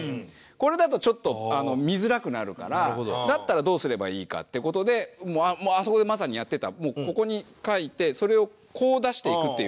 これだとちょっと見づらくなるからだったらどうすればいいかって事でもうあそこでまさにやってたここに書いてそれをこう出していくっていうやり方。